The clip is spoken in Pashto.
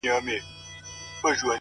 بيا دې په سجده کي په ژړا وينم;